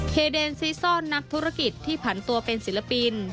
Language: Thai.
เดนซีซ่อนนักธุรกิจที่ผันตัวเป็นศิลปิน